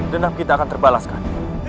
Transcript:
denam kita akan terbalaskan